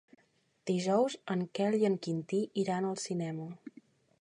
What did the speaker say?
Dijous en Quel i en Quintí iran al cinema.